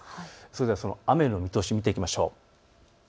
それでは雨の見通しを見ていきましょう。